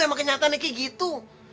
emang kenyataannya kayak gitu